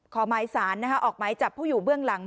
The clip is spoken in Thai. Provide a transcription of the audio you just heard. ขอหมายสารออกหมายจับผู้อยู่เบื้องหลัง